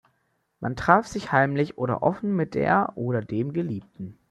Man traf sich heimlich oder offen mit der oder dem Geliebten.